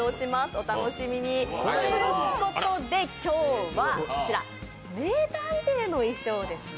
お楽しみに。ということで、今日はこちら、名探偵の衣装ですね。